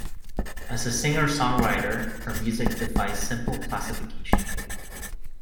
As a singer-songwriter, her music defies simple classification.